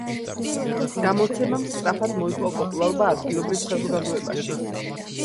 გამოცემამ სწრაფად მოიპოვა პოპულარობა ადგილობრივ საზოგადოებაში.